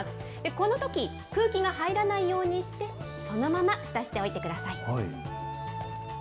このとき、空気が入らないようにして、このまま浸しておいてください。